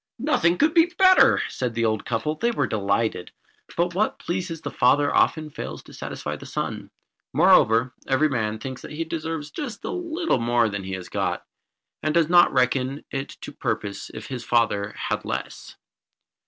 "Nothing could be better," said the old couple. They were delighted. But what pleases the father often fails to satisfy the son: moreover, every man thinks that he deserves just a little more than he has got, and does not reckon it to the purpose if his father had less.